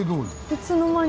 いつの間に。